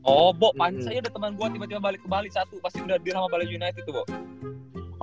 oh boh manis aja ada temen gue tiba tiba balik ke bali satu pasti udah deal sama bali united tuh boh